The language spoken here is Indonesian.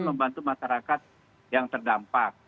membantu masyarakat yang terdampak